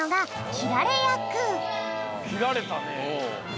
きられたね。